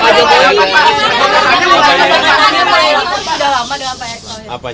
pak sudah lama pak pak sudah lama pak